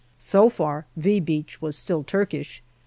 So far, " V " Beach was still Turkish.